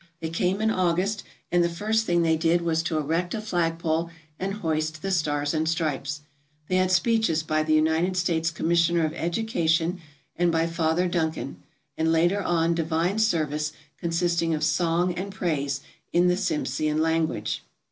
They came in August, and the first thing they did was to erect a flagpole and hoist the Stars and Stripes. They had speeches by the United States Commissioner of Education and by Father Dun can, and later on divine service consisting of song and praise in the Tsimpsean language.